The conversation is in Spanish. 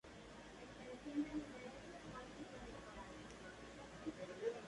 La medicina está cada día más preocupada por la resistencia a antibióticos.